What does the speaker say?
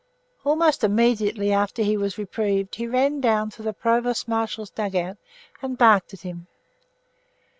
Almost immediately after he was reprieved he ran down to the Provost Martial's dug out and barked at him.